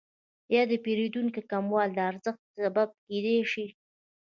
یا د پیرودونکو کموالی د ارزانښت سبب کیدای شي؟